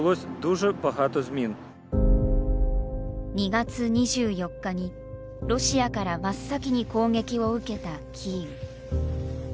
２月２４日にロシアから真っ先に攻撃を受けたキーウ。